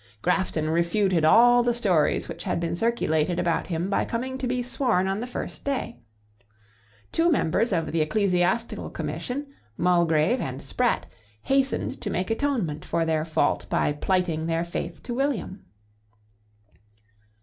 Grafton refuted all the stories which had been circulated about him by coming to be sworn on the first day. Two members of the Ecclesiastical Commission, Mulgrave and Sprat, hastened to make atonement for their fault by plighting their faith to William.